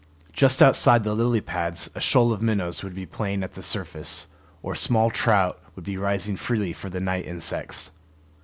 Just outside the lily pads a shoal of minnows would be playing at the surface, or small trout would be rising freely for the night insects.